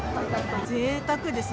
ぜいたくですね。